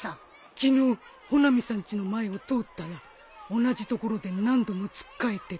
昨日穂波さんちの前を通ったら同じところで何度もつっかえてた。